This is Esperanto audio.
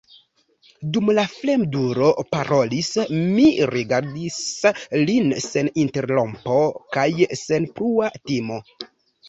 Dum la fremdulo parolis, mi rigardis lin sen interrompo kaj sen plua timo.